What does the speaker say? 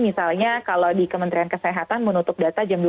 misalnya kalau di kementerian kesehatan menutup data jam dua belas